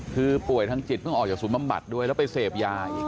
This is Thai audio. คือป่วยทางจิตเพิ่งออกจากศูนย์บำบัดด้วยแล้วไปเสพยาอีก